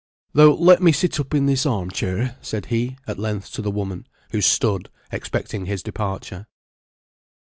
"Thou'lt let me sit up in this arm chair," said he at length to the woman, who stood, expecting his departure.